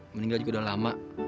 meninggal juga udah lama